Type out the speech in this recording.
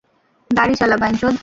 গাড়ি চালা, বাইঞ্চোদ!